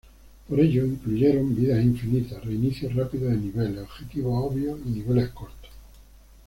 Por ello incluyeron vidas infinitas, reinicio rápido de niveles, objetivos obvios, y niveles cortos.